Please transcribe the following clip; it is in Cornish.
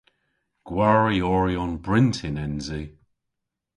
Gwarioryon bryntin ens i.